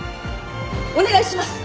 お願いします！